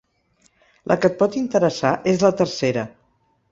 La que et pot interessar és la tercera.